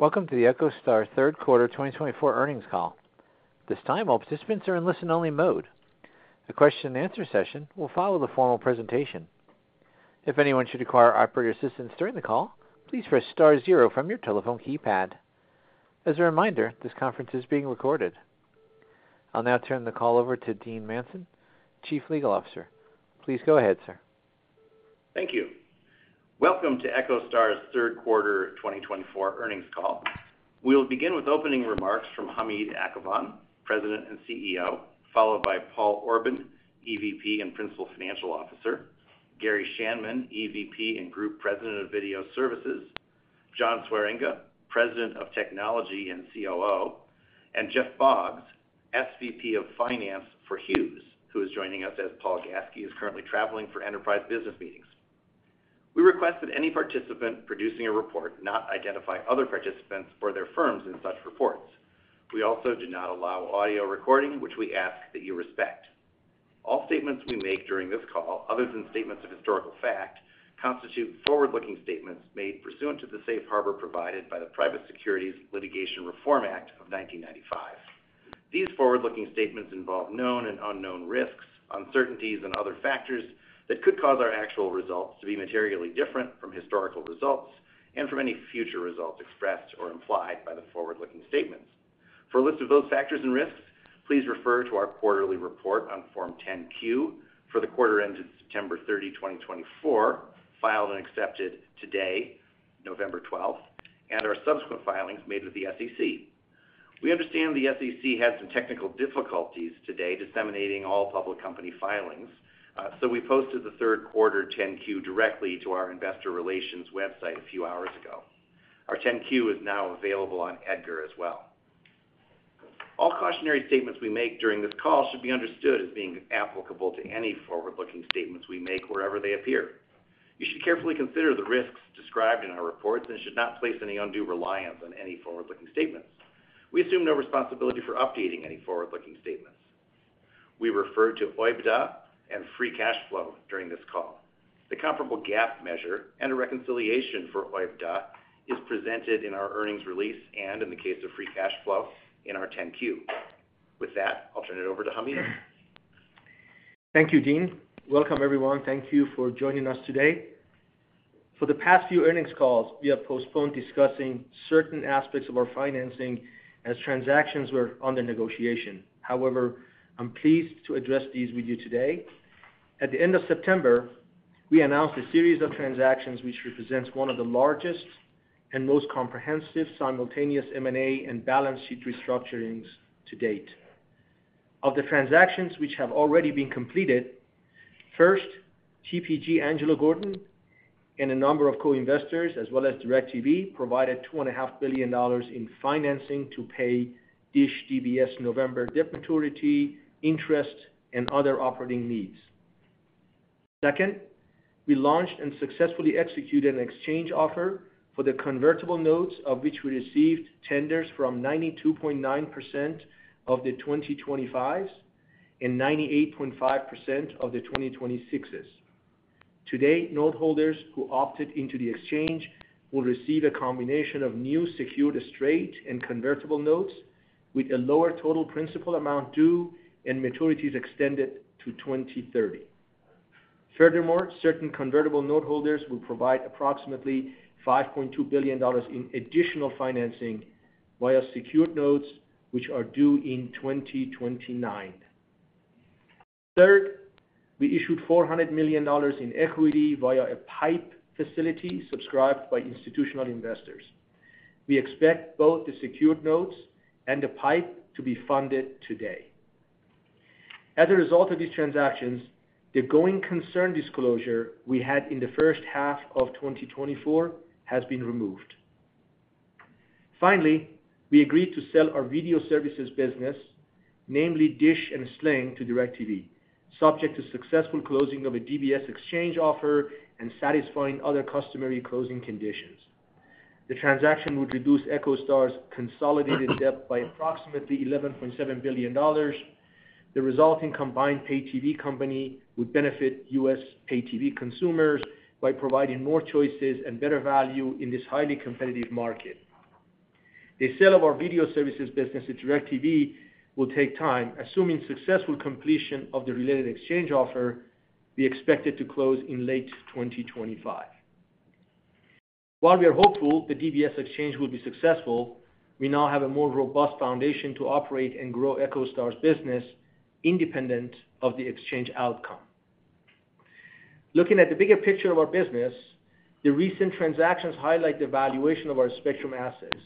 Welcome to the EchoStar Q3 2024 Earnings Call. This time all participants are in listen-only mode. The question-and-answer session will follow the formal presentation. If anyone should require operator assistance during the call, please press star zero from your telephone keypad. As a reminder, this conference is being recorded. I'll now turn the call over to Dean Manson, Chief Legal Officer. Please go ahead, sir. Thank you. Welcome to EchoStar's Q3 2024 earnings call. We'll begin with opening remarks from Hamid Akhavan, President and CEO, followed by Paul Orban, EVP and Principal Financial Officer, Gary Schanman, EVP and Group President of Video Services, John Swieringa, President of Technology and COO, and Jeff Boggs, SVP of Finance for Hughes, who is joining us as Paul Gaske is currently traveling for enterprise business meetings. We request that any participant producing a report not identify other participants or their firms in such reports. We also do not allow audio recording, which we ask that you respect. All statements we make during this call, other than statements of historical fact, constitute forward-looking statements made pursuant to the safe harbor provided by the Private Securities Litigation Reform Act of 1995. These forward-looking statements involve known and unknown risks, uncertainties, and other factors that could cause our actual results to be materially different from historical results and from any future results expressed or implied by the forward-looking statements. For a list of those factors and risks, please refer to our quarterly report on Form 10-Q for the quarter ended September 30, 2024, filed and accepted today, November 12th, and our subsequent filings made with the SEC. We understand the SEC had some technical difficulties today disseminating all public company filings, so we posted the Q3 10-Q directly to our investor relations website a few hours ago. Our 10-Q is now available on EDGAR as well. All cautionary statements we make during this call should be understood as being applicable to any forward-looking statements we make wherever they appear. You should carefully consider the risks described in our reports and should not place any undue reliance on any forward-looking statements. We assume no responsibility for updating any forward-looking statements. We refer to OIBDA and free cash flow during this call. The comparable GAAP measure and a reconciliation for OIBDA is presented in our earnings release and, in the case of free cash flow, in our 10-Q. With that, I'll turn it over to Hamid. Thank you, Dean. Welcome, everyone. Thank you for joining us today. For the past few earnings calls, we have postponed discussing certain aspects of our financing as transactions were under negotiation. However, I'm pleased to address these with you today. At the end of September, we announced a series of transactions which represents one of the largest and most comprehensive simultaneous M&A and balance sheet restructurings to date. Of the transactions which have already been completed, first, TPG Angelo Gordon and a number of co-investors, as well as DirecTV, provided $2.5 billion in financing to pay DISH DBS November debt maturity, interest, and other operating needs. Second, we launched and successfully executed an exchange offer for the convertible notes of which we received tenders from 92.9% of the 2025s and 98.5% of the 2026s. Today, noteholders who opted into the exchange will receive a combination of new secured straight and convertible notes with a lower total principal amount due and maturities extended to 2030. Furthermore, certain convertible noteholders will provide approximately $5.2 billion in additional financing via secured notes which are due in 2029. Third, we issued $400 million in equity via a PIPE facility subscribed by institutional investors. We expect both the secured notes and the PIPE to be funded today. As a result of these transactions, the going concern disclosure we had in the first half of 2024 has been removed. Finally, we agreed to sell our video services business, namely DISH and Sling, to DirecTV, subject to successful closing of a DBS exchange offer and satisfying other customary closing conditions. The transaction would reduce EchoStar's consolidated debt by approximately $11.7 billion. The resulting combined pay-TV company would benefit US pay-TV consumers by providing more choices and better value in this highly competitive market. The sale of our video services business to DirecTV will take time. Assuming successful completion of the related exchange offer, we expect it to close in late 2025. While we are hopeful the DBS exchange will be successful, we now have a more robust foundation to operate and grow EchoStar's business independent of the exchange outcome. Looking at the bigger picture of our business, the recent transactions highlight the valuation of our spectrum assets.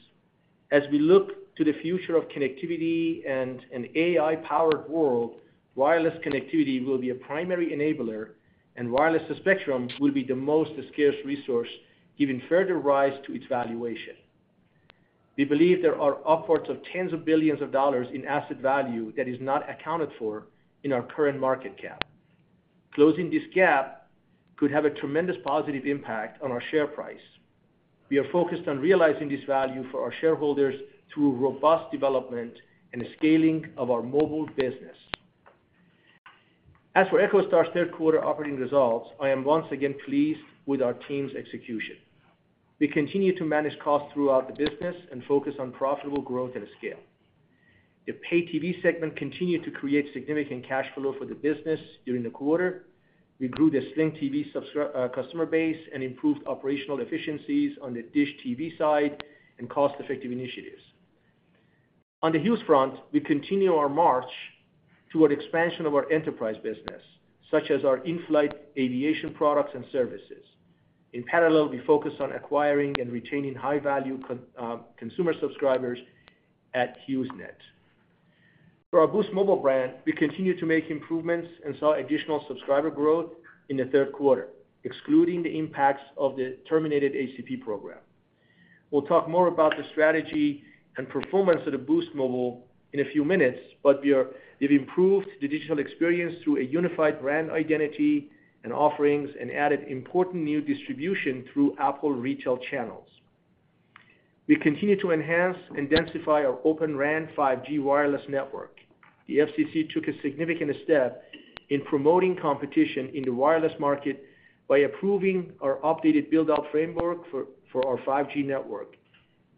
As we look to the future of connectivity and an AI-powered world, wireless connectivity will be a primary enabler, and wireless spectrum will be the most scarce resource, giving further rise to its valuation. We believe there are upwards of tens of billions of dollars in asset value that is not accounted for in our current market cap. Closing this gap could have a tremendous positive impact on our share price. We are focused on realizing this value for our shareholders through robust development and scaling of our mobile business. As for EchoStar's Q3 operating results, I am once again pleased with our team's execution. We continue to manage costs throughout the business and focus on profitable growth and scale. The pay-TV segment continued to create significant cash flow for the business during the quarter. We grew the Sling TV customer base and improved operational efficiencies on the DISH TV side and cost-effective initiatives. On the Hughes front, we continue our march toward expansion of our enterprise business, such as our in-flight aviation products and services. In parallel, we focus on acquiring and retaining high-value consumer subscribers at HughesNet. For our Boost Mobile brand, we continue to make improvements and saw additional subscriber growth in the Q3, excluding the impacts of the terminated ACP program. We'll talk more about the strategy and performance of the Boost Mobile in a few minutes, but we've improved the digital experience through a unified brand identity and offerings and added important new distribution through Apple retail channels. We continue to enhance and densify our Open RAN 5G wireless network. The FCC took a significant step in promoting competition in the wireless market by approving our updated build-out framework for our 5G network.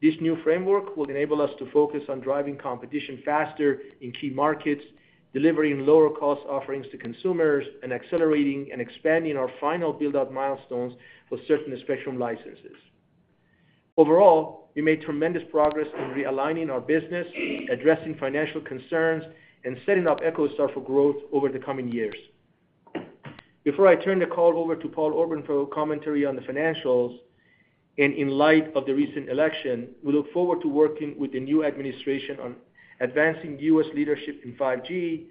This new framework will enable us to focus on driving competition faster in key markets, delivering lower-cost offerings to consumers, and accelerating and expanding our final build-out milestones for certain spectrum licenses. Overall, we made tremendous progress in realigning our business, addressing financial concerns, and setting up EchoStar for growth over the coming years. Before I turn the call over to Paul Orban for commentary on the financials and in light of the recent election, we look forward to working with the new administration on advancing US leadership in 5G,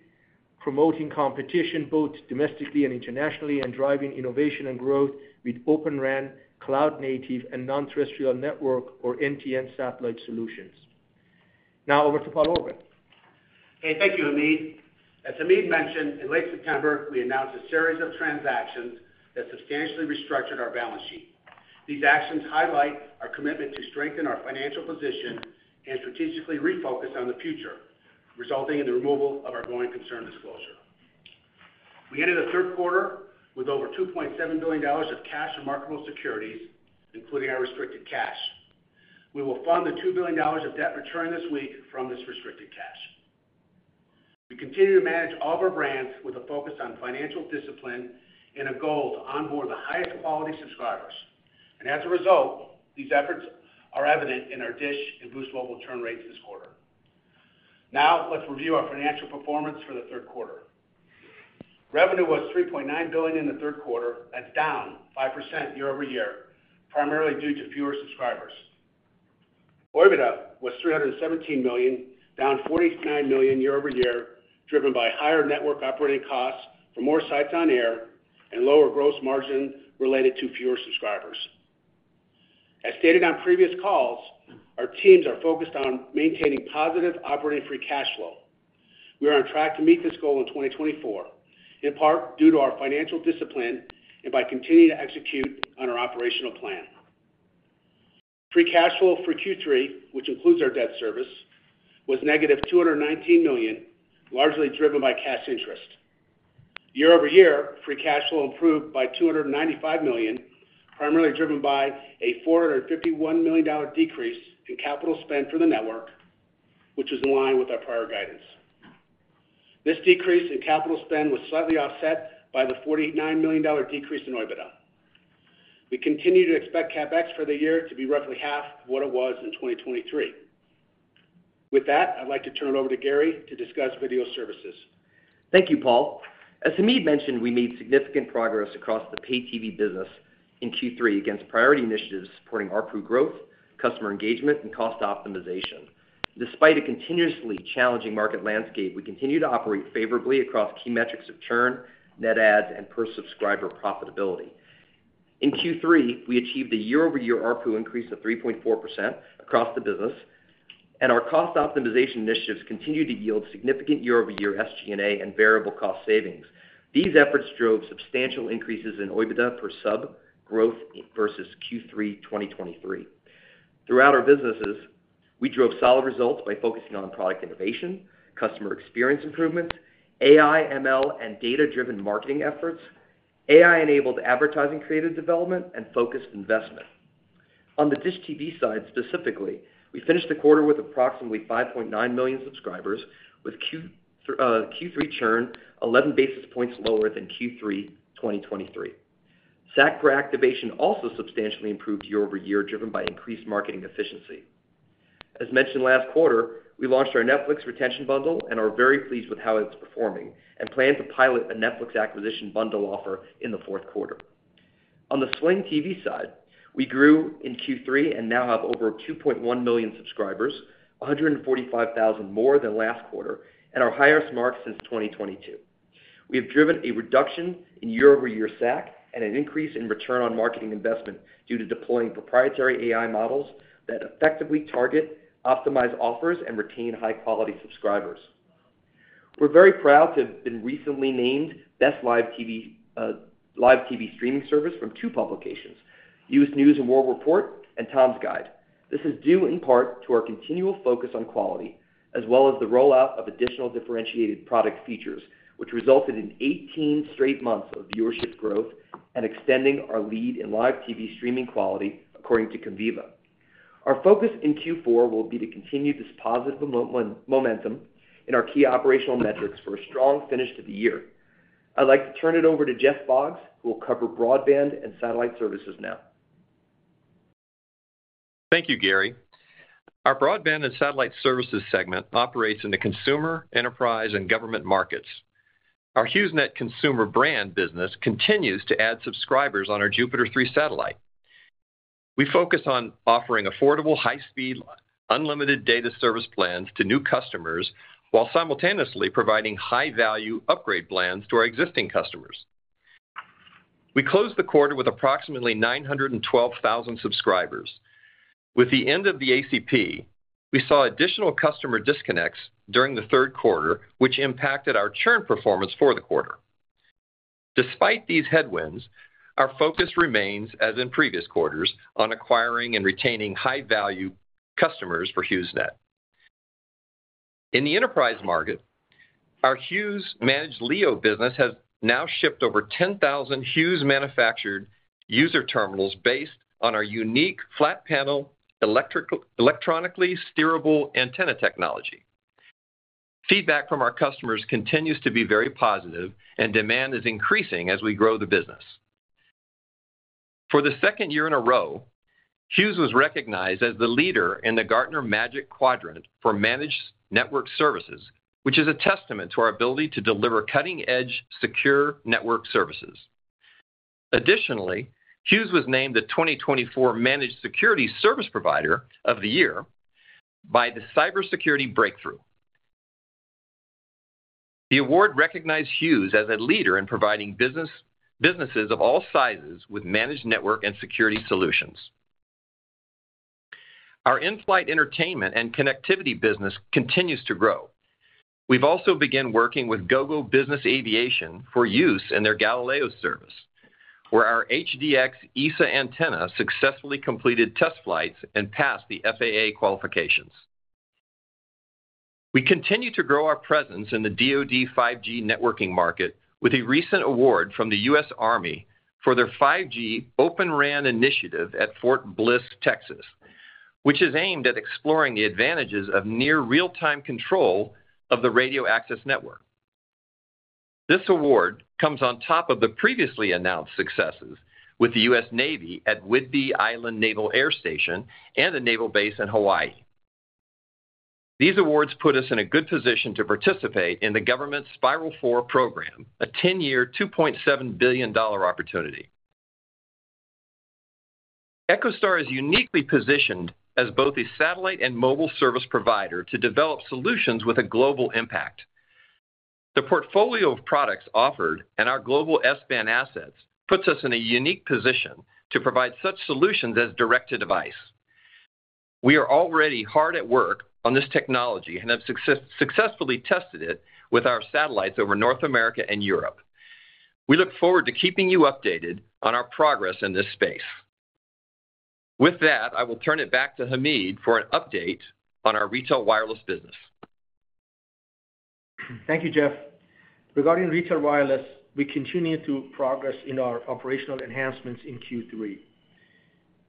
promoting competition both domestically and internationally, and driving innovation and growth with Open RAN cloud-native and non-terrestrial network, or NTN, satellite solutions. Now, over to Paul Orban. Thank you, Hamid. As Hamid mentioned, in late September, we announced a series of transactions that substantially restructured our balance sheet. These actions highlight our commitment to strengthen our financial position and strategically refocus on the future, resulting in the removal of our going concern disclosure. We entered the Q3 with over $2.7 billion of cash and marketable securities, including our restricted cash. We will fund the $2 billion of debt repayment this week from this restricted cash. We continue to manage all of our brands with a focus on financial discipline and a goal to onboard the highest quality subscribers. And as a result, these efforts are evident in our DISH and Boost Mobile churn rates this quarter. Now, let's review our financial performance for the Q3. Revenue was $3.9 billion in the Q3, that's down 5% year-over-year, primarily due to fewer subscribers. OIBDA was $317 million, down $49 million year-over-year, driven by higher network operating costs for more sites on air and lower gross margin related to fewer subscribers. As stated on previous calls, our teams are focused on maintaining positive operating free cash flow. We are on track to meet this goal in 2024, in part due to our financial discipline and by continuing to execute on our operational plan. Free cash flow for Q3, which includes our debt service, was negative $219 million, largely driven by cash interest. year-over-year, free cash flow improved by $295 million, primarily driven by a $451 million decrease in capital spend for the network, which was in line with our prior guidance. This decrease in capital spend was slightly offset by the $49 million decrease in OIBDA. We continue to expect CapEx for the year to be roughly half of what it was in 2023. With that, I'd like to turn it over to Gary to discuss video services. Thank you, Paul. As Hamid mentioned, we made significant progress across the pay-TV business in Q3 against priority initiatives supporting ARPU growth, customer engagement, and cost optimization. Despite a continuously challenging market landscape, we continue to operate favorably across key metrics of churn, net adds, and per-subscriber profitability. In Q3, we achieved a year-over-year ARPU increase of 3.4% across the business, and our cost optimization initiatives continued to yield significant year-over-year SG&A and variable cost savings. These efforts drove substantial increases in OIBDA per sub growth versus Q3 2023. Throughout our businesses, we drove solid results by focusing on product innovation, customer experience improvements, AI/ML and data-driven marketing efforts, AI-enabled advertising creative development, and focused investment. On the DISH TV side specifically, we finished the quarter with approximately 5.9 million subscribers, with Q3 churn 11 basis points lower than Q3 2023. SAC pre-activation also substantially improved year-over-year, driven by increased marketing efficiency. As mentioned last quarter, we launched our Netflix retention bundle and are very pleased with how it's performing and plan to pilot a Netflix acquisition bundle offer in the Q4. On the Sling TV side, we grew in Q3 and now have over 2.1 million subscribers, 145,000 more than last quarter, and our highest mark since 2022. We have driven a reduction in year-over-year SAC and an increase in return on marketing investment due to deploying proprietary AI models that effectively target, optimize offers, and retain high-quality subscribers. We're very proud to have been recently named Best Live TV Streaming Service from two publications, U.S. News & World Report and Tom's Guide. This is due, in part, to our continual focus on quality, as well as the rollout of additional differentiated product features, which resulted in 18 straight months of viewership growth and extending our lead in live TV streaming quality, according to Conviva. Our focus in Q4 will be to continue this positive momentum in our key operational metrics for a strong finish to the year. I'd like to turn it over to Jeff Boggs, who will cover broadband and satellite services now. Thank you, Gary. Our broadband and satellite services segment operates in the consumer, enterprise, and government markets. Our HughesNet consumer brand business continues to add subscribers on our Jupiter 3 satellite. We focus on offering affordable, high-speed, unlimited data service plans to new customers while simultaneously providing high-value upgrade plans to our existing customers. We closed the quarter with approximately 912,000 subscribers. With the end of the ACP, we saw additional customer disconnects during the Q3, which impacted our churn performance for the quarter. Despite these headwinds, our focus remains, as in previous quarters, on acquiring and retaining high-value customers for HughesNet. In the enterprise market, our Hughes Managed LEO business has now shipped over 10,000 Hughes-manufactured user terminals based on our unique flat-panel, electronically steerable antenna technology. Feedback from our customers continues to be very positive, and demand is increasing as we grow the business. For the second year in a row, Hughes was recognized as the leader in the Gartner Magic Quadrant for Managed Network Services, which is a testament to our ability to deliver cutting-edge, secure network services. Additionally, Hughes was named the 2024 Managed Security Service Provider of the Year by the CyberSecurity Breakthrough. The award recognized Hughes as a leader in providing businesses of all sizes with managed network and security solutions. Our in-flight entertainment and connectivity business continues to grow. We've also begun working with Gogo Business Aviation for use in their Galileo service, where our HDX ESA antenna successfully completed test flights and passed the FAA qualifications. We continue to grow our presence in the DoD 5G networking market with a recent award from the US Army for their 5G Open RAN initiative at Fort Bliss, Texas, which is aimed at exploring the advantages of near real-time control of the radio access network. This award comes on top of the previously announced successes with the US Navy at Whidbey Island Naval Air Station and the Naval Base in Hawaii. These awards put us in a good position to participate in the government's Spiral 4 program, a 10-year, $2.7 billion opportunity. EchoStar is uniquely positioned as both a satellite and mobile service provider to develop solutions with a global impact. The portfolio of products offered and our global S-band assets puts us in a unique position to provide such solutions as direct-to-device. We are already hard at work on this technology and have successfully tested it with our satellites over North America and Europe. We look forward to keeping you updated on our progress in this space. With that, I will turn it back to Hamid for an update on our retail wireless business. Thank you, Jeff. Regarding retail wireless, we continue to progress in our operational enhancements in Q3.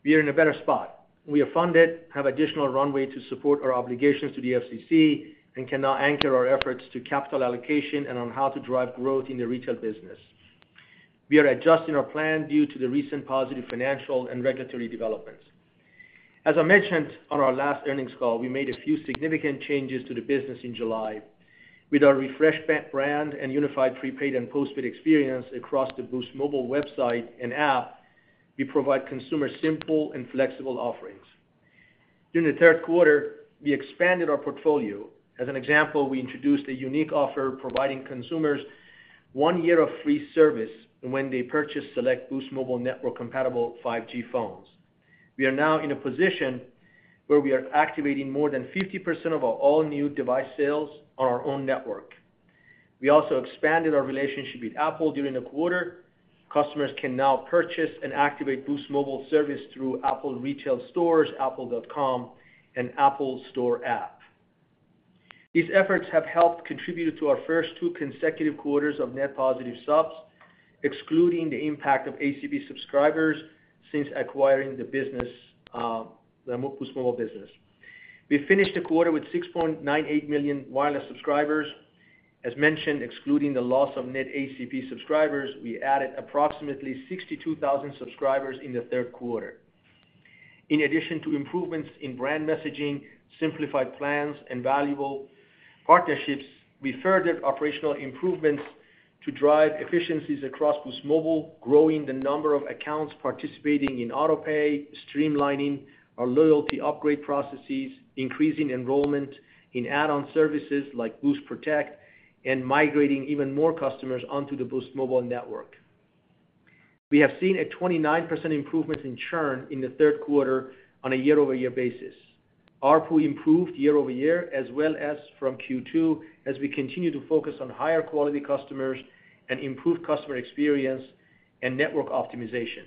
We are in a better spot. We are funded, have additional runway to support our obligations to the FCC, and can now anchor our efforts to capital allocation and on how to drive growth in the retail business. We are adjusting our plan due to the recent positive financial and regulatory developments. As I mentioned on our last earnings call, we made a few significant changes to the business in July. With our refreshed brand and unified prepaid and postpaid experience across the Boost Mobile website and app, we provide consumers simple and flexible offerings. During the Q3, we expanded our portfolio. As an example, we introduced a unique offer providing consumers one year of free service when they purchase select Boost Mobile network-compatible 5G phones. We are now in a position where we are activating more than 50% of our all-new device sales on our own network. We also expanded our relationship with Apple during the quarter. Customers can now purchase and activate Boost Mobile service through Apple retail stores, Apple.com, and Apple Store app. These efforts have helped contribute to our first two consecutive quarters of net positive subs, excluding the impact of ACP subscribers since acquiring the Boost Mobile business. We finished the quarter with 6.98 million wireless subscribers. As mentioned, excluding the loss of net ACP subscribers, we added approximately 62,000 subscribers in the Q3. In addition to improvements in brand messaging, simplified plans, and valuable partnerships, we furthered operational improvements to drive efficiencies across Boost Mobile, growing the number of accounts participating in autopay, streamlining our loyalty upgrade processes, increasing enrollment in add-on services like Boost Protect, and migrating even more customers onto the Boost Mobile network. We have seen a 29% improvement in churn in the Q3 on a year-over-year basis. ARPU improved year-over-year, as well as from Q2, as we continue to focus on higher quality customers and improved customer experience and network optimization.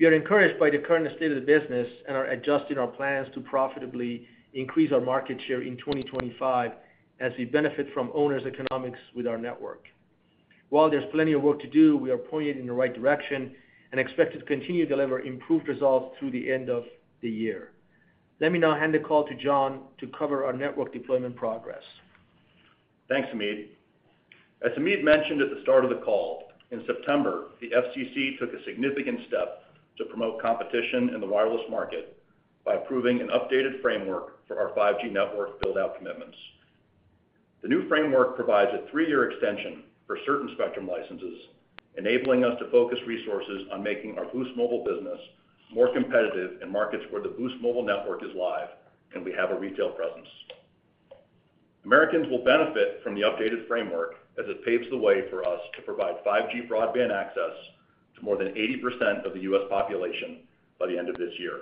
We are encouraged by the current state of the business and are adjusting our plans to profitably increase our market share in 2025 as we benefit from owners' economics with our network. While there's plenty of work to do, we are pointed in the right direction and expect to continue to deliver improved results through the end of the year. Let me now hand the call to John to cover our network deployment progress. Thanks, Hamid. As Hamid mentioned at the start of the call, in September, the FCC took a significant step to promote competition in the wireless market by approving an updated framework for our 5G network build-out commitments. The new framework provides a three-year extension for certain spectrum licenses, enabling us to focus resources on making our Boost Mobile business more competitive in markets where the Boost Mobile network is live and we have a retail presence. Americans will benefit from the updated framework as it paves the way for us to provide 5G broadband access to more than 80% of the US population by the end of this year.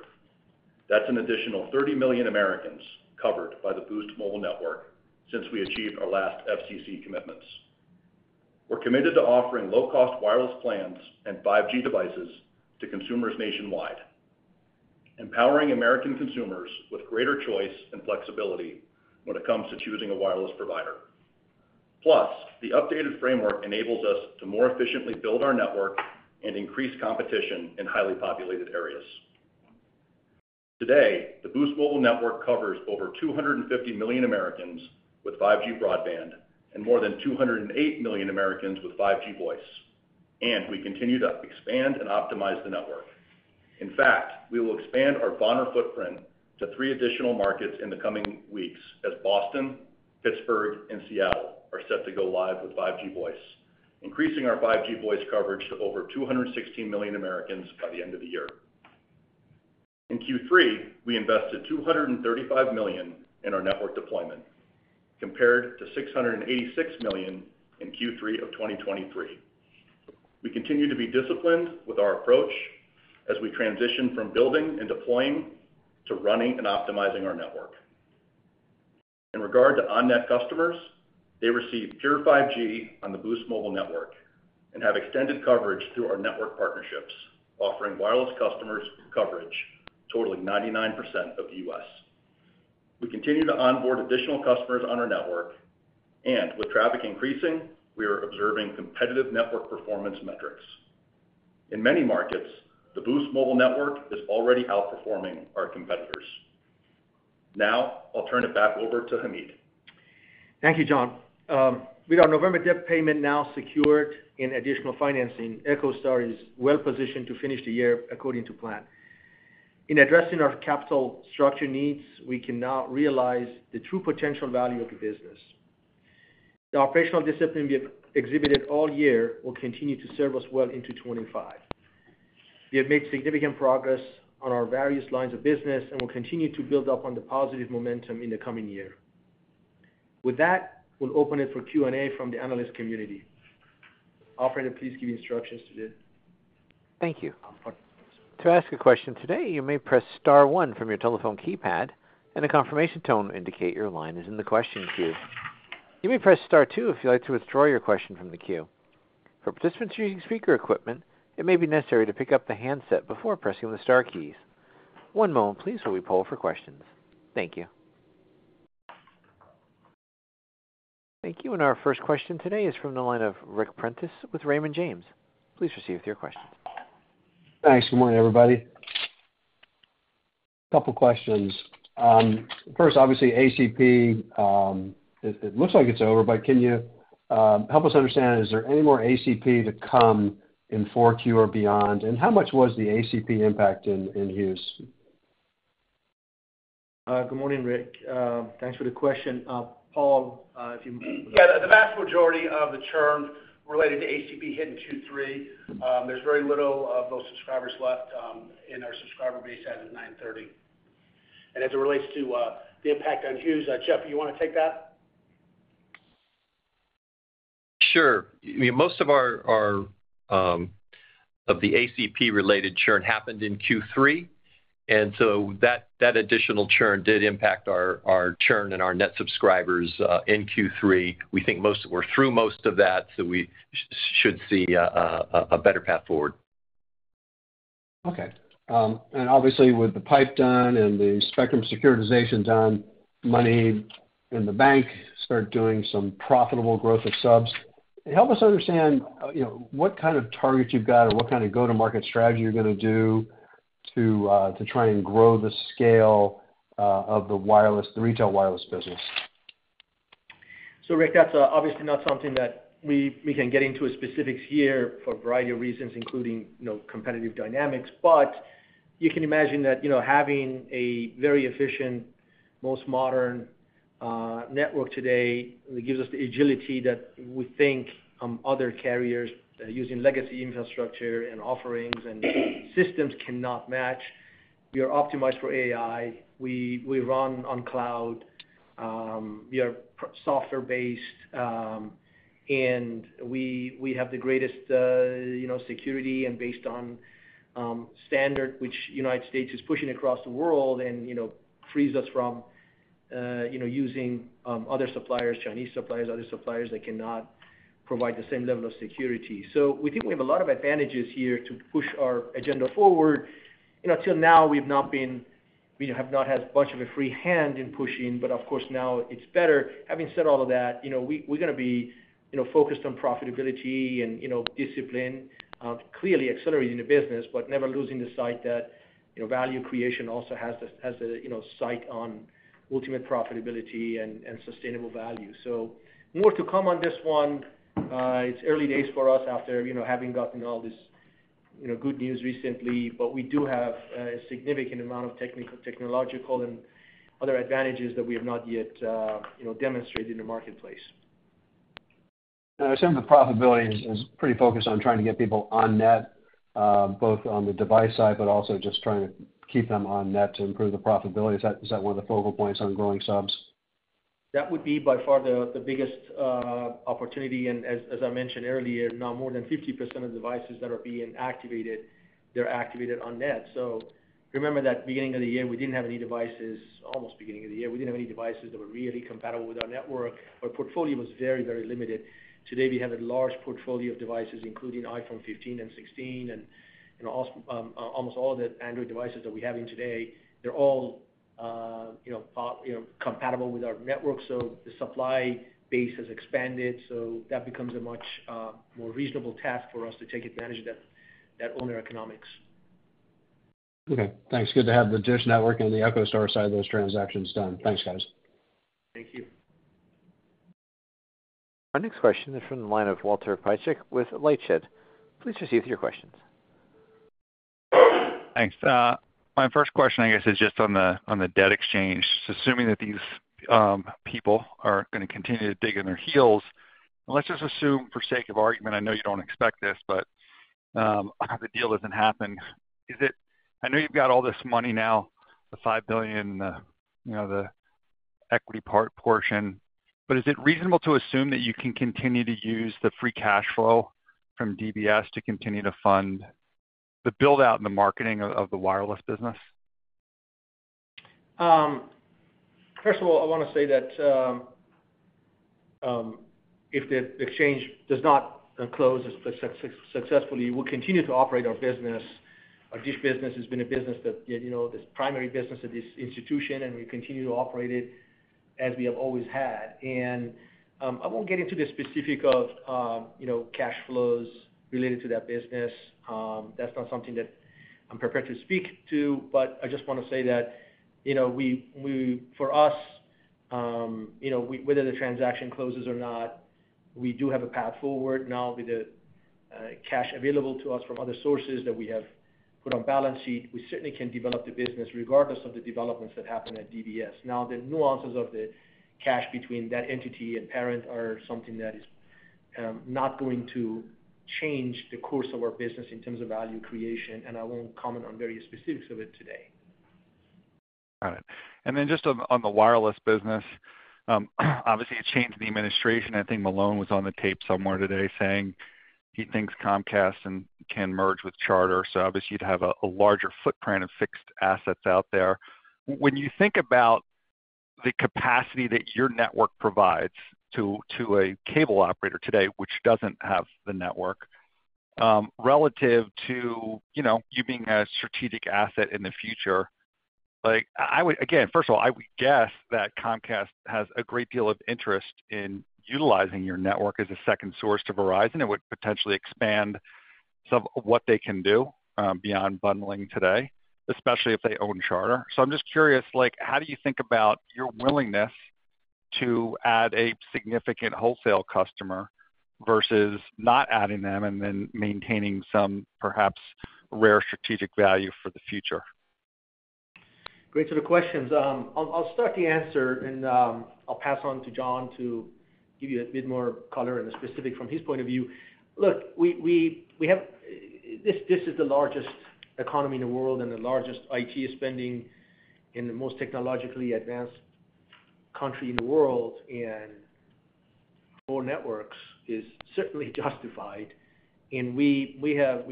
That's an additional 30 million Americans covered by the Boost Mobile network since we achieved our last FCC commitments. We're committed to offering low-cost wireless plans and 5G devices to consumers nationwide, empowering American consumers with greater choice and flexibility when it comes to choosing a wireless provider. Plus, the updated framework enables us to more efficiently build our network and increase competition in highly populated areas. Today, the Boost Mobile network covers over 250 million Americans with 5G broadband and more than 208 million Americans with 5G voice, and we continue to expand and optimize the network. In fact, we will expand our VoNR footprint to three additional markets in the coming weeks as Boston, Pittsburgh, and Seattle are set to go live with 5G voice, increasing our 5G voice coverage to over 216 million Americans by the end of the year. In Q3, we invested $235 million in our network deployment, compared to $686 million in Q3 of 2023. We continue to be disciplined with our approach as we transition from building and deploying to running and optimizing our network. In regard to on-net customers, they receive Pure 5G on the Boost Mobile network and have extended coverage through our network partnerships, offering wireless customers coverage totaling 99% of the US We continue to onboard additional customers on our network, and with traffic increasing, we are observing competitive network performance metrics. In many markets, the Boost Mobile network is already outperforming our competitors. Now, I'll turn it back over to Hamid. Thank you, John. With our November debt payment now secured and additional financing, EchoStar is well positioned to finish the year according to plan. In addressing our capital structure needs, we can now realize the true potential value of the business. The operational discipline we have exhibited all year will continue to serve us well into 2025. We have made significant progress on our various lines of business and will continue to build up on the positive momentum in the coming year. With that, we'll open it for Q&A from the analyst community. Operator, please give instructions today. Thank you. To ask a question today, you may press star one from your telephone keypad, and a confirmation tone will indicate your line is in the question queue. You may press star two if you'd like to withdraw your question from the queue. For participants using speaker equipment, it may be necessary to pick up the handset before pressing the star keys. One moment, please, while we poll for questions. Thank you. Thank you. And our first question today is from the line of Ric Prentiss with Raymond James. Please proceed with your question. Thanks. Good morning, everybody. A couple of questions. First, obviously, ACP, it looks like it's over, but can you help us understand, is there any more ACP to come in Q4 or beyond? And how much was the ACP impact in Hughes? Good morning, Ric. Thanks for the question. Paul, if you. Yeah. The vast majority of the churn related to ACP hit in Q3. There's very little of those subscribers left in our subscriber base as of 9/30. And as it relates to the impact on Hughes, Jeff, you want to take that? Sure. Most of the ACP-related churn happened in Q3, and so that additional churn did impact our churn and our net subscribers in Q3. We think most were through most of that, so we should see a better path forward. Okay. And obviously, with the PIPE done and the spectrum securitization done, money in the bank started doing some profitable growth of subs. Help us understand what kind of targets you've got or what kind of go-to-market strategy you're going to do to try and grow the scale of the retail wireless business. So, Ric, that's obviously not something that we can get into specifics here for a variety of reasons, including competitive dynamics, but you can imagine that having a very efficient, most modern network today gives us the agility that we think other carriers using legacy infrastructure and offerings and systems cannot match. We are optimized for AI. We run on cloud. We are software-based, and we have the greatest security and based on standard, which the United States is pushing across the world and frees us from using other suppliers, Chinese suppliers, other suppliers that cannot provide the same level of security. So we think we have a lot of advantages here to push our agenda forward. Until now, we have not had much of a free hand in pushing, but of course, now it's better. Having said all of that, we're going to be focused on profitability and discipline, clearly accelerating the business, but never losing the sight that value creation also has a sight on ultimate profitability and sustainable value, so more to come on this one. It's early days for us after having gotten all this good news recently, but we do have a significant amount of technical, technological, and other advantages that we have not yet demonstrated in the marketplace. It seems the profitability is pretty focused on trying to get people on net, both on the device side, but also just trying to keep them on net to improve the profitability. Is that one of the focal points on growing subs? That would be, by far, the biggest opportunity. And as I mentioned earlier, now more than 50% of devices that are being activated, they're activated on-net. So remember that beginning of the year, we didn't have any devices. Almost beginning of the year, we didn't have any devices that were really compatible with our network. Our portfolio was very, very limited. Today, we have a large portfolio of devices, including iPhone 15 and 16, and almost all the Android devices that we have today, they're all compatible with our network. So the supply base has expanded, so that becomes a much more reasonable task for us to take advantage of that on-net economics. Okay. Thanks. Good to have the digital network and the EchoStar side of those transactions done. Thanks, guys. Thank you. Our next question is from the line of Walter Piecyk with LightShed. Please proceed with your questions. Thanks. My first question, I guess, is just on the debt exchange. Assuming that these people are going to continue to dig in their heels, and let's just assume for sake of argument, I know you don't expect this, but the deal doesn't happen. I know you've got all this money now, the $5 billion and the equity portion, but is it reasonable to assume that you can continue to use the free cash flow from DBS to continue to fund the build-out and the marketing of the wireless business? First of all, I want to say that if the exchange does not close successfully, we'll continue to operate our business. Our DISH business has been a business that is primary business of this institution, and we continue to operate it as we have always had, and I won't get into the specifics of cash flows related to that business. That's not something that I'm prepared to speak to, but I just want to say that for us, whether the transaction closes or not, we do have a path forward. Now, with the cash available to us from other sources that we have put on balance sheet, we certainly can develop the business regardless of the developments that happen at DBS. Now, the nuances of the cash between that entity and parent are something that is not going to change the course of our business in terms of value creation, and I won't comment on various specifics of it today. Got it. And then just on the wireless business, obviously, it changed the administration. I think Malone was on the tape somewhere today saying he thinks Comcast can merge with Charter. So obviously, you'd have a larger footprint of fixed assets out there. When you think about the capacity that your network provides to a cable operator today, which doesn't have the network, relative to you being a strategic asset in the future, again, first of all, I would guess that Comcast has a great deal of interest in utilizing your network as a second source to Verizon. It would potentially expand some of what they can do beyond bundling today, especially if they own Charter. So I'm just curious, how do you think about your willingness to add a significant wholesale customer versus not adding them and then maintaining some perhaps rare strategic value for the future? Great set of questions. I'll start the answer, and I'll pass on to John to give you a bit more color and the specifics from his point of view. Look, this is the largest economy in the world and the largest IT spending and the most technologically advanced country in the world, and for networks is certainly justified. And we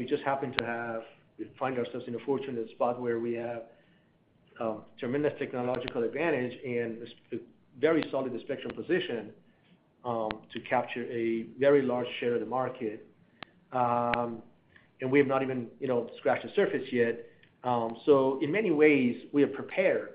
just happen to have found ourselves in a fortunate spot where we have tremendous technological advantage and a very solid spectrum position to capture a very large share of the market. And we have not even scratched the surface yet. So in many ways, we are prepared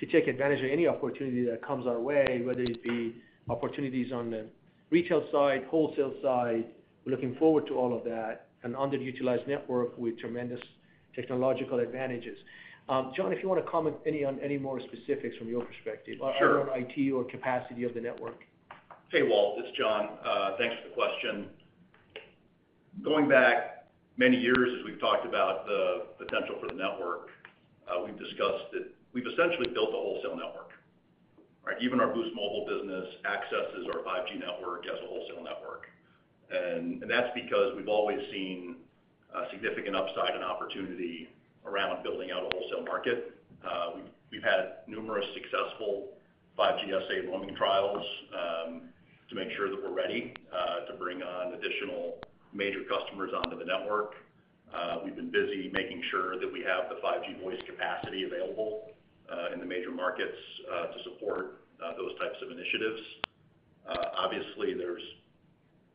to take advantage of any opportunity that comes our way, whether it be opportunities on the retail side, wholesale side. We're looking forward to all of that and under-utilized network with tremendous technological advantages. John, if you want to comment on any more specifics from your perspective on IT or capacity of the network? Hey, Walt. It's John. Thanks for the question. Going back many years, as we've talked about the potential for the network, we've discussed that we've essentially built a wholesale network. Even our Boost Mobile business accesses our 5G network as a wholesale network, and that's because we've always seen significant upside and opportunity around building out a wholesale market. We've had numerous successful 5G SA roaming trials to make sure that we're ready to bring on additional major customers onto the network. We've been busy making sure that we have the 5G voice capacity available in the major markets to support those types of initiatives. Obviously, there's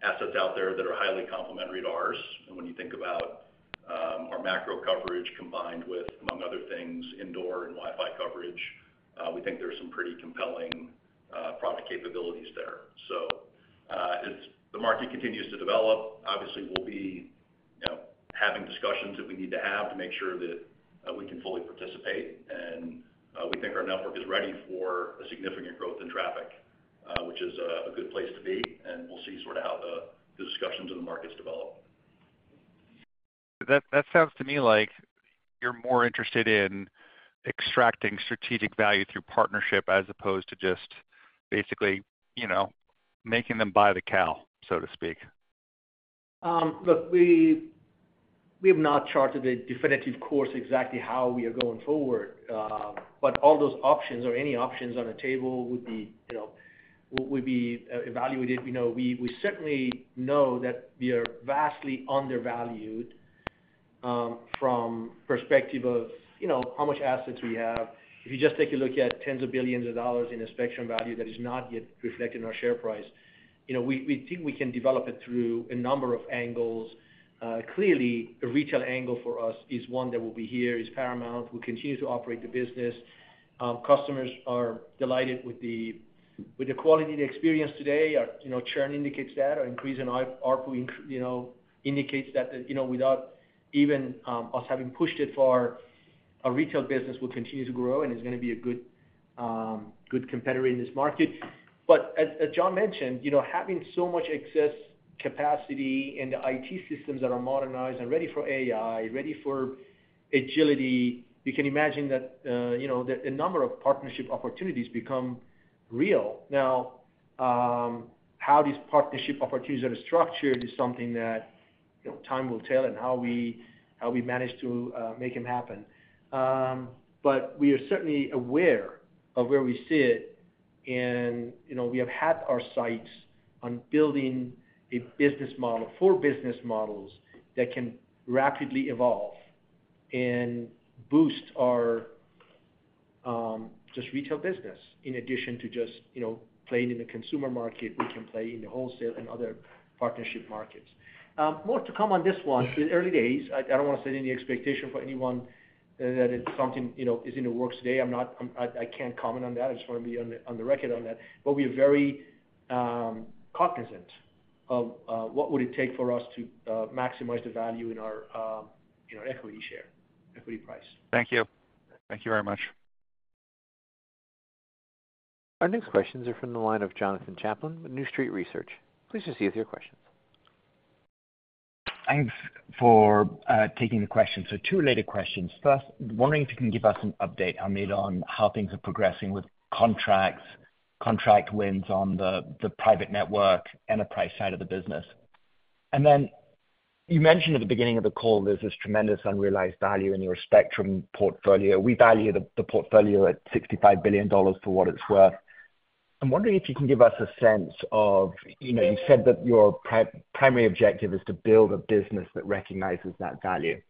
assets out there that are highly complementary to ours, and when you think about our macro coverage combined with, among other things, indoor and Wi-Fi coverage, we think there's some pretty compelling product capabilities there. So as the market continues to develop, obviously, we'll be having discussions that we need to have to make sure that we can fully participate. And we think our network is ready for a significant growth in traffic, which is a good place to be. And we'll see sort of how the discussions in the markets develop. That sounds to me like you're more interested in extracting strategic value through partnership as opposed to just basically making them buy the cow, so to speak. Look, we have not charted a definitive course exactly how we are going forward, but all those options or any options on the table would be evaluated. We certainly know that we are vastly undervalued from the perspective of how much assets we have. If you just take a look at tens of billions of dollars in a spectrum value that is not yet reflected in our share price, we think we can develop it through a number of angles. Clearly, the retail angle for us is one that will be here is paramount. We'll continue to operate the business. Customers are delighted with the quality of the experience today. Our churn indicates that. Our increase in RPU indicates that without even us having pushed it far, our retail business will continue to grow and is going to be a good competitor in this market. But as John mentioned, having so much excess capacity and the IT systems that are modernized and ready for AI, ready for agility, you can imagine that the number of partnership opportunities become real. Now, how these partnership opportunities are structured is something that time will tell and how we manage to make them happen. But we are certainly aware of where we sit, and we have had our sights on building a business model for business models that can rapidly evolve and boost our just retail business in addition to just playing in the consumer market. We can play in the wholesale and other partnership markets. More to come on this one. It's the early days. I don't want to set any expectation for anyone that it's something that is in the works today. I can't comment on that. I just want to be on the record on that. But we are very cognizant of what would it take for us to maximize the value in our equity share, equity price. Thank you. Thank you very much. Our next questions are from the line of Jonathan Chaplin with New Street Research. Please proceed with your questions. Thanks for taking the question. So two related questions. First, wondering if you can give us an update on how things are progressing with contracts, contract wins on the private network enterprise side of the business? And then you mentioned at the beginning of the call, there's this tremendous unrealized value in your spectrum portfolio. We value the portfolio at $65 billion for what it's worth. I'm wondering if you can give us a sense of you said that your primary objective is to build a business that recognizes that value.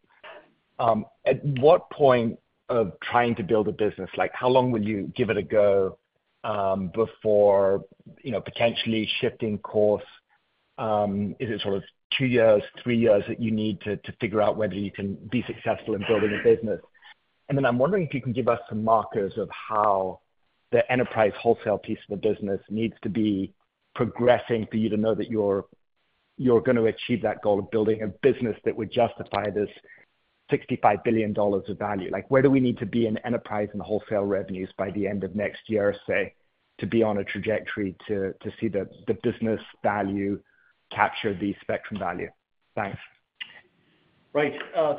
At what point of trying to build a business, how long will you give it a go before potentially shifting course? Is it sort of two years, three years that you need to figure out whether you can be successful in building a business? I'm wondering if you can give us some markers of how the enterprise wholesale piece of the business needs to be progressing for you to know that you're going to achieve that goal of building a business that would justify this $65 billion of value. Where do we need to be in enterprise and wholesale revenues by the end of next year, say, to be on a trajectory to see the business value capture the spectrum value? Thanks. Right.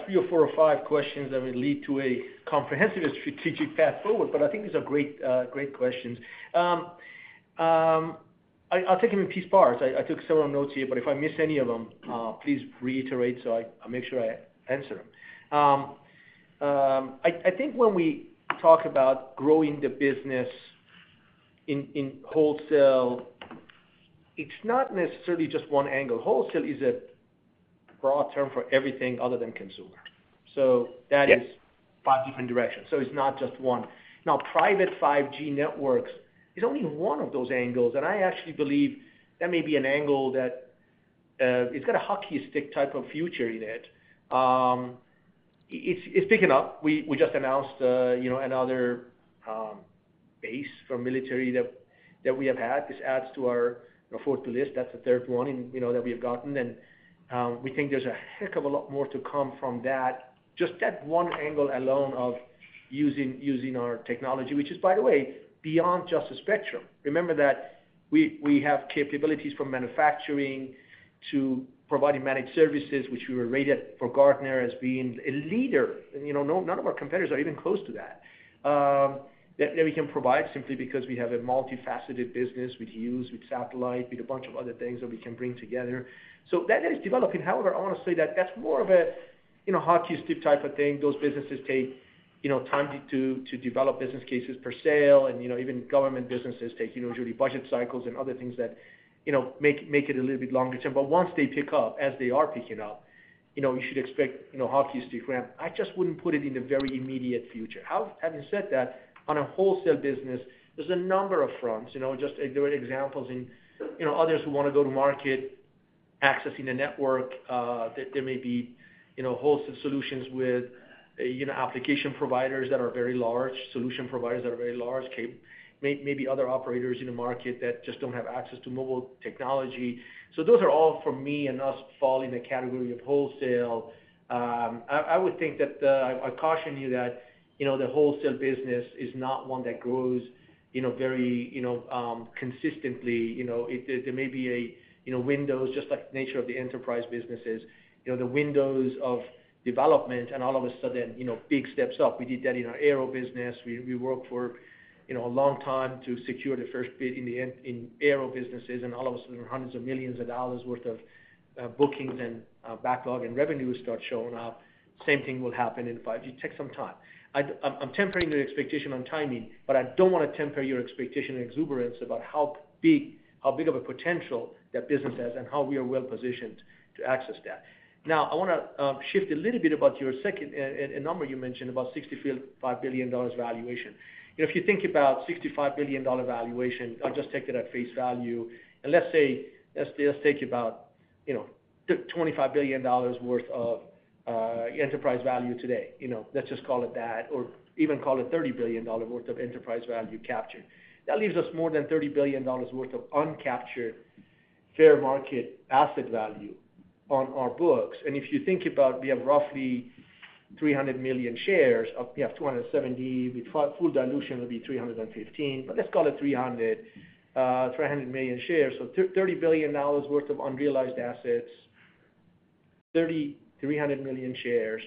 Three or four or five questions that will lead to a comprehensive strategic path forward, but I think these are great questions. I'll take them in piece parts. I took several notes here, but if I miss any of them, please reiterate so I make sure I answer them. I think when we talk about growing the business in wholesale, it's not necessarily just one angle. Wholesale is a broad term for everything other than consumer. So that is five different directions. So it's not just one. Now, private 5G networks is only one of those angles, and I actually believe that may be an angle that it's got a hockey stick type of future in it. It's big enough. We just announced another base for military that we have had. This adds to our fourth list. That's the third one that we have gotten. We think there's a heck of a lot more to come from that. Just that one angle alone of using our technology, which is, by the way, beyond just a spectrum. Remember that we have capabilities from manufacturing to providing managed services, which we were rated by Gartner as being a leader. None of our competitors are even close to that. That we can provide simply because we have a multifaceted business with Hughes, with satellite, with a bunch of other things that we can bring together. So that is developing. However, I want to say that that's more of a hockey stick type of thing. Those businesses take time to develop business cases per sale, and even government businesses take usually budget cycles and other things that make it a little bit longer term. But once they pick up, as they are picking up, you should expect hockey stick ramp. I just wouldn't put it in the very immediate future. Having said that, on a wholesale business, there's a number of fronts. Just there are examples in others who want to go to market accessing the network. There may be wholesale solutions with application providers that are very large, solution providers that are very large, maybe other operators in the market that just don't have access to mobile technology. So those are all, for me and us, fall in the category of wholesale. I would think that I caution you that the wholesale business is not one that grows very consistently. There may be a window, just like the nature of the enterprise businesses, the windows of development, and all of a sudden, big steps up. We did that in our Aero business. We worked for a long time to secure the first bid in Aero businesses, and all of a sudden, hundreds of millions of dollars' worth of bookings and backlog and revenue start showing up. Same thing will happen in 5G. It takes some time. I'm tempering the expectation on timing, but I don't want to temper your expectation and exuberance about how big of a potential that business has and how we are well-positioned to access that. Now, I want to shift a little bit about your second number you mentioned about $65 billion valuation. If you think about $65 billion valuation, I'll just take that at face value, and let's say, let's take about $25 billion worth of enterprise value today. Let's just call it that, or even call it $30 billion worth of enterprise value captured. That leaves us more than $30 billion worth of uncaptured fair market asset value on our books, and if you think about, we have roughly 300 million shares of, we have 270 with full dilution, it'll be 315, but let's call it 300 million shares, so $30 billion worth of unrealized assets, 300 million shares.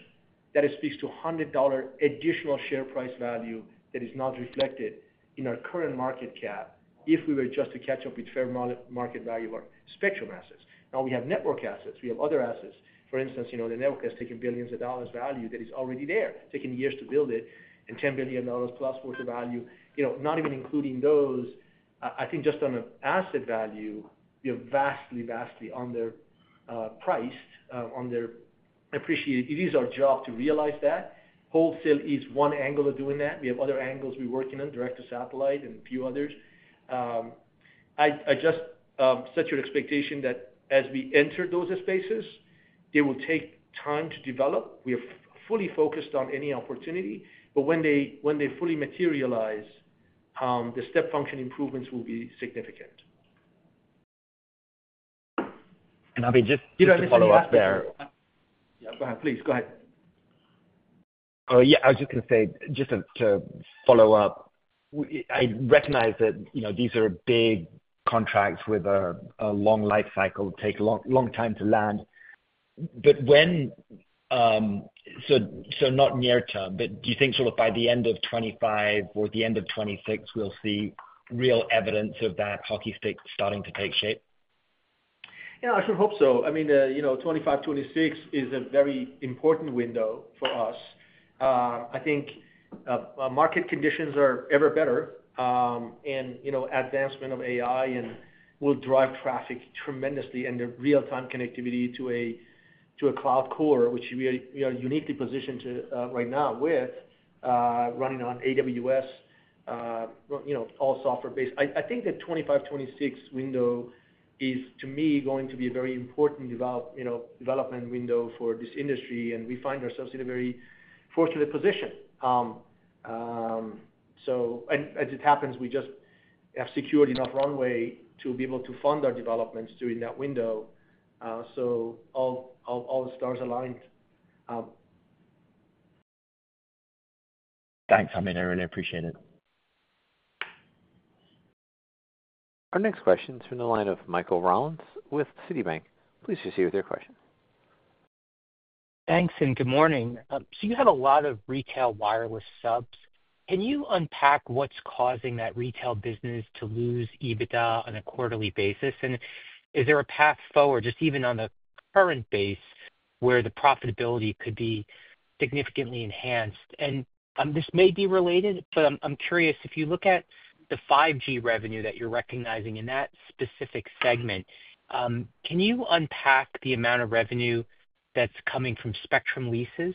That speaks to $100 additional share price value that is not reflected in our current market cap if we were just to catch up with fair market value or spectrum assets. Now, we have network assets. We have other assets. For instance, the network has taken billions of dollars' value that is already there, taken years to build it, and $10 billion plus worth of value. Not even including those, I think just on an asset value, we are vastly, vastly underpriced, underappreciated. It is our job to realize that. Wholesale is one angle of doing that. We have other angles we're working on, direct to satellite and a few others. I just set your expectation that as we enter those spaces, they will take time to develop. We are fully focused on any opportunity, but when they fully materialize, the step function improvements will be significant. And I'll be just to follow up there. Yeah, go ahead. Please, go ahead. Yeah, I was just going to say, just to follow up, I recognize that these are big contracts with a long life cycle, take a long time to land. But not so near term, but do you think sort of by the end of 2025 or the end of 2026, we'll see real evidence of that hockey stick starting to take shape? Yeah, I should hope so. I mean, 2025, 2026 is a very important window for us. I think market conditions are ever better, and advancement of AI will drive traffic tremendously and the real-time connectivity to a cloud core, which we are uniquely positioned right now with, running on AWS, all software-based. I think the 2025, 2026 window is, to me, going to be a very important development window for this industry, and we find ourselves in a very fortunate position. So as it happens, we just have secured enough runway to be able to fund our developments during that window. So all the stars aligned. Thanks, Hamid. I really appreciate it. Our next question is from the line of Michael Rollins, with Citi. Please proceed with your question. Thanks, and good morning. So you have a lot of retail wireless subs. Can you unpack what's causing that retail business to lose EBITDA on a quarterly basis? And is there a path forward, just even on the current base, where the profitability could be significantly enhanced? And this may be related, but I'm curious, if you look at the 5G revenue that you're recognizing in that specific segment, can you unpack the amount of revenue that's coming from spectrum leases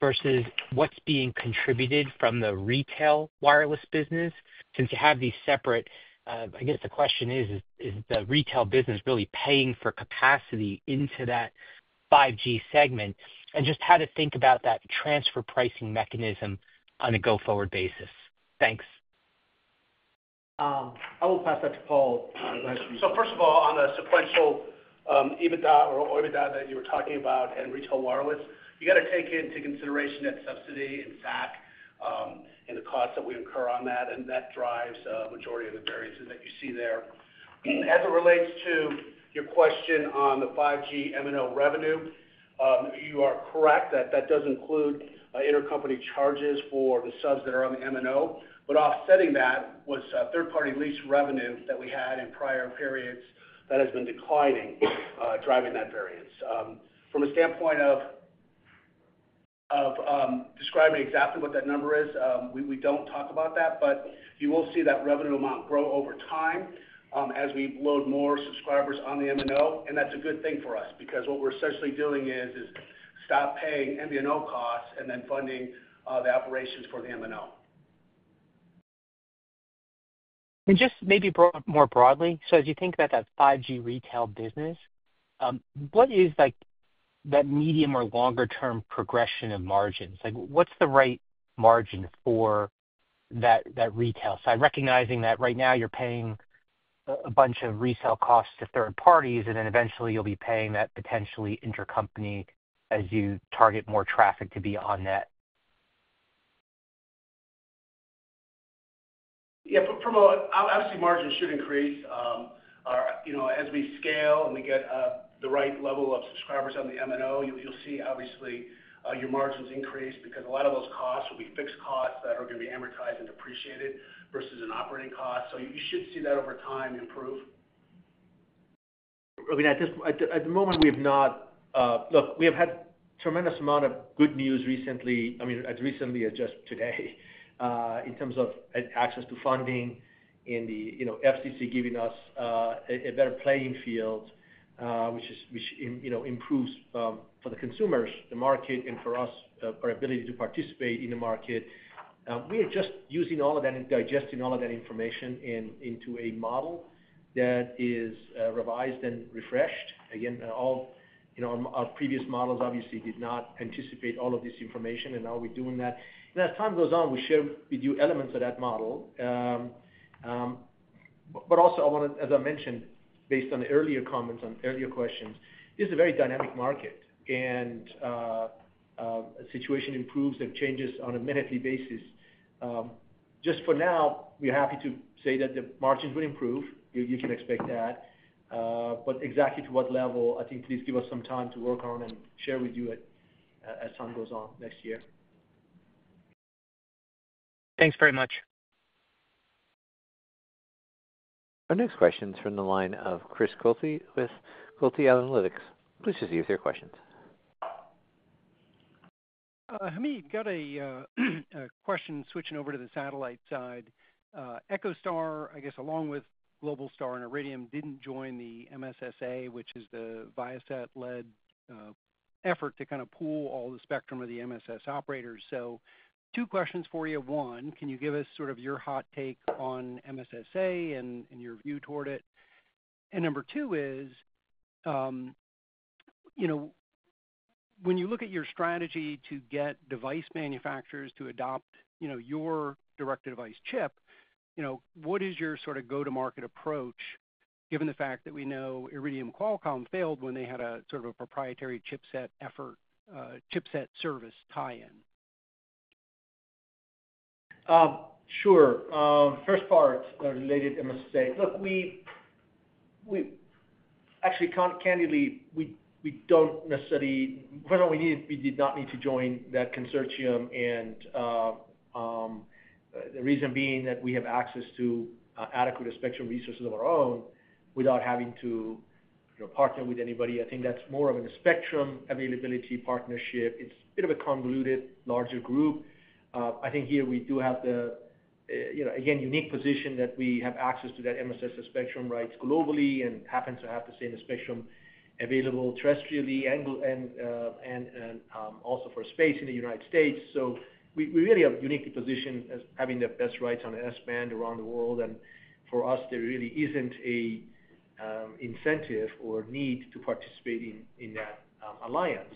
versus what's being contributed from the retail wireless business? Since you have these separate, I guess the question is, is the retail business really paying for capacity into that 5G segment? And just how to think about that transfer pricing mechanism on a go-forward basis? Thanks. I will pass that to Paul. So first of all, on the sequential EBITDA or OIBDA that you were talking about and retail wireless, you got to take into consideration that subsidy and SAC and the costs that we incur on that, and that drives a majority of the variances that you see there. As it relates to your question on the 5G MNO revenue, you are correct that that does include intercompany charges for the subs that are on the MNO, but offsetting that was third-party lease revenue that we had in prior periods that has been declining, driving that variance. From a standpoint of describing exactly what that number is, we don't talk about that, but you will see that revenue amount grow over time as we load more subscribers on the MNO, and that's a good thing for us because what we're essentially doing is stop paying MVNO costs and then funding the operations for the MNO. Just maybe more broadly, so as you think about that 5G retail business, what is that medium- or longer-term progression of margins? What's the right margin for that retail side? Recognizing that right now you're paying a bunch of resale costs to third parties, and then eventually you'll be paying that potentially intercompany as you target more traffic to be on that. Yeah, I would say margins should increase. As we scale and we get the right level of subscribers on the MNO, you'll see obviously your margins increase because a lot of those costs will be fixed costs that are going to be amortized and depreciated versus an operating cost. So you should see that over time improve. I mean, at the moment, we have had a tremendous amount of good news recently. I mean, as recently as just today, in terms of access to funding and the FCC giving us a better playing field, which improves for the consumers, the market, and for us, our ability to participate in the market. We are just using all of that and digesting all of that information into a model that is revised and refreshed. Again, all our previous models, obviously, did not anticipate all of this information, and now we're doing that. And as time goes on, we share with you elements of that model. But also, as I mentioned, based on the earlier comments, on earlier questions, this is a very dynamic market, and the situation improves and changes on a monthly basis. Just for now, we're happy to say that the margins will improve. You can expect that. But exactly to what level, I think, please give us some time to work on and share with you as time goes on next year. Thanks very much. Our next question is from the line of Chris Quilty with Quilty Analytics. Please proceed with your questions. Hamid, got a question switching over to the satellite side. EchoStar, I guess, along with Globalstar and Iridium, didn't join the MSSA, which is the Viasat-led effort to kind of pool all the spectrum of the MSS operators. So two questions for you. One, can you give us sort of your hot take on MSSA and your view toward it? And number two is, when you look at your strategy to get device manufacturers to adopt your direct-to-device chip, what is your sort of go-to-market approach, given the fact that we know Iridium Qualcomm failed when they had a sort of a proprietary chipset effort, chipset service tie-in? Sure. First part related to MSSA. Look, we actually, candidly, we don't necessarily first of all, we did not need to join that consortium, and the reason being that we have access to adequate spectrum resources of our own without having to partner with anybody. I think that's more of a spectrum availability partnership. It's a bit of a convoluted, larger group. I think here we do have the, again, unique position that we have access to that MSSA spectrum rights globally and happen to have the same spectrum available terrestrially and also for space in the United States. So we really are uniquely positioned as having the best rights on S-band around the world, and for us, there really isn't an incentive or need to participate in that alliance.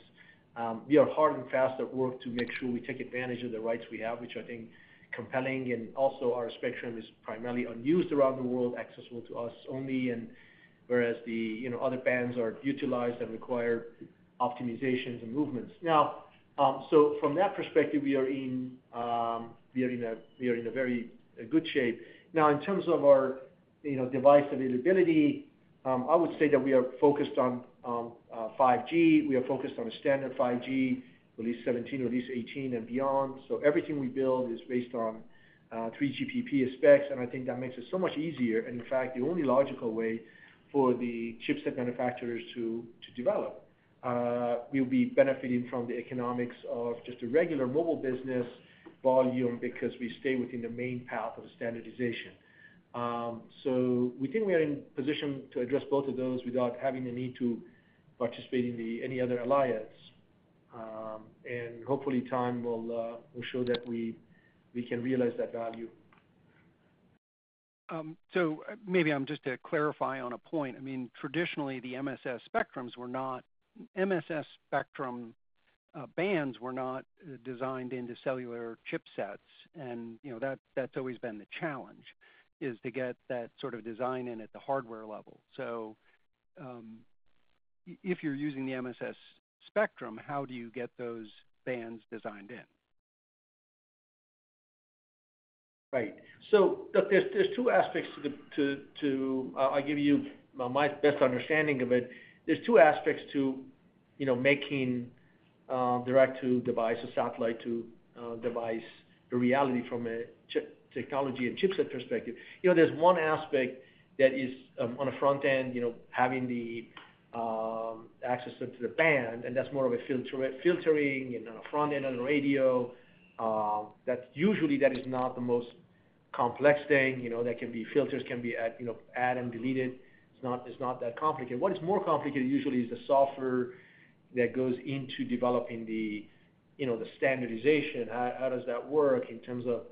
We are hard and fast at work to make sure we take advantage of the rights we have, which I think is compelling, and also, our spectrum is primarily unused around the world, accessible to us only, whereas the other bands are utilized and require optimizations and movements. Now, so from that perspective, we are in a very good shape. Now, in terms of our device availability, I would say that we are focused on 5G. We are focused on a standard 5G, Release 17, Release 18, and beyond, so everything we build is based on 3GPP specs, and I think that makes it so much easier and, in fact, the only logical way for the chipset manufacturers to develop. We'll be benefiting from the economics of just a regular mobile business volume because we stay within the main path of standardization. So we think we are in position to address both of those without having a need to participate in any other alliance. And hopefully, time will show that we can realize that value. So maybe I'm just to clarify on a point. I mean, traditionally, the MSS spectrum bands were not designed into cellular chipsets, and that's always been the challenge, is to get that sort of design in at the hardware level. So if you're using the MSS spectrum, how do you get those bands designed in? Right. So look, there's two aspects to, I'll give you my best understanding of it. There's two aspects to making direct-to-device or satellite-to-device reality from a technology and chipset perspective. There's one aspect that is on the front end, having the access to the band, and that's more of a filtering and on a front end on the radio. That's usually, that is not the most complex thing. That can be filters can be added and deleted. It's not that complicated. What is more complicated usually is the software that goes into developing the standardization. How does that work in terms of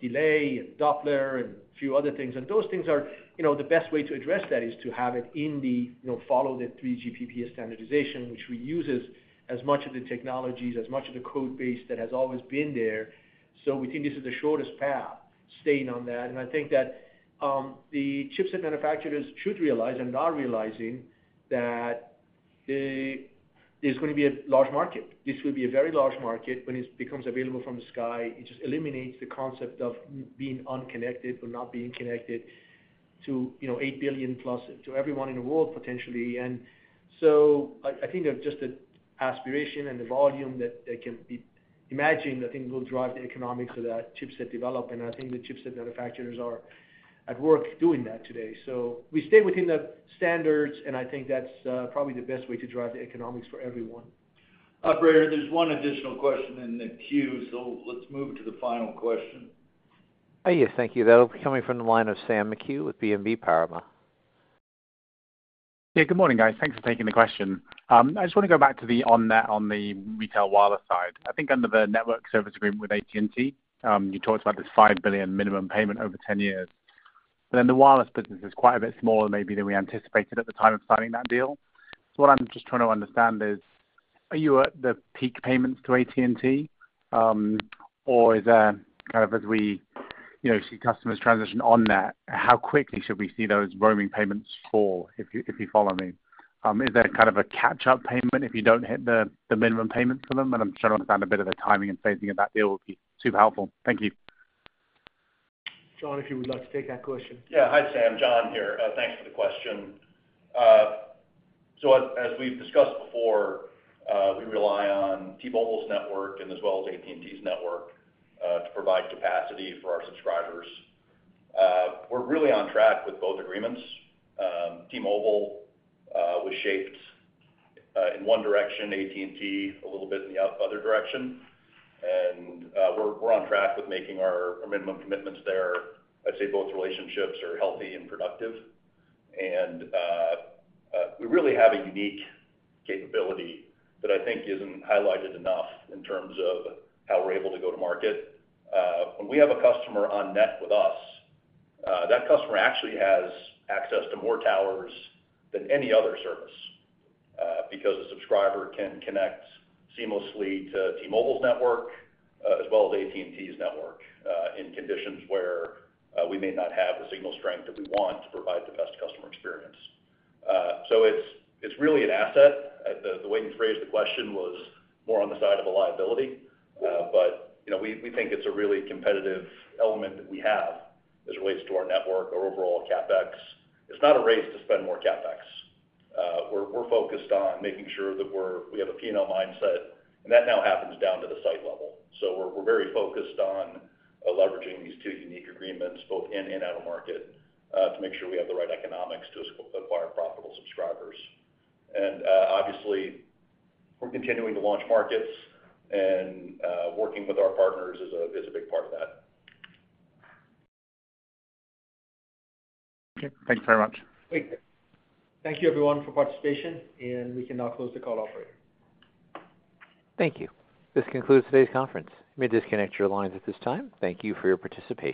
delay and Doppler and a few other things? And those things are the best way to address that is to have it in the follow the 3GPP standardization, which reuses as much of the technologies, as much of the code base that has always been there. So we think this is the shortest path, staying on that. And I think that the chipset manufacturers should realize and are realizing that there's going to be a large market. This will be a very large market when it becomes available from the sky. It just eliminates the concept of being unconnected or not being connected to 8 billion plus to everyone in the world, potentially. And so I think just the aspiration and the volume that can be imagined, I think will drive the economics of that chipset development. I think the chipset manufacturers are at work doing that today. So we stay within the standards, and I think that's probably the best way to drive the economics for everyone. Operator, there's one additional question in the queue, so let's move to the final question. Yes, thank you. That'll be coming from the line of Sam McHugh with BNP Paribas. Yeah, good morning, guys. Thanks for taking the question. I just want to go back to, on the retail wireless side. I think under the network service agreement with AT&T, you talked about this $5 billion minimum payment over 10 years. But then the wireless business is quite a bit smaller, maybe, than we anticipated at the time of signing that deal. So what I'm just trying to understand is, are you at the peak payments to AT&T, or is there kind of, as we see customers transition on that, how quickly should we see those roaming payments fall? If you follow me, is there kind of a catch-up payment if you don't hit the minimum payments for them? And I'm trying to understand a bit of the timing and phasing of that deal would be super helpful. Thank you. John, if you would like to take that question. Yeah, hi Sam. John here. Thanks for the question. So as we've discussed before, we rely on T-Mobile's network and as well as AT&T's network to provide capacity for our subscribers. We're really on track with both agreements. T-Mobile was shaped in one direction, AT&T a little bit in the other direction, and we're on track with making our minimum commitments there. I'd say both relationships are healthy and productive, and we really have a unique capability that I think isn't highlighted enough in terms of how we're able to go to market. When we have a customer on net with us, that customer actually has access to more towers than any other service because a subscriber can connect seamlessly to T-Mobile's network as well as AT&T's network in conditions where we may not have the signal strength that we want to provide the best customer experience. So it's really an asset. The way you phrased the question was more on the side of a liability, but we think it's a really competitive element that we have as it relates to our network, our overall CapEx. It's not a race to spend more CapEx. We're focused on making sure that we have a P&L mindset, and that now happens down to the site level. So we're very focused on leveraging these two unique agreements both in and out of market to make sure we have the right economics to acquire profitable subscribers. And obviously, we're continuing to launch markets, and working with our partners is a big part of that. Okay. Thanks very much. Thank you. Thank you, everyone, for participation, and we can now close the call, Operator. Thank you. This concludes today's conference. You may disconnect your lines at this time. Thank you for your participation.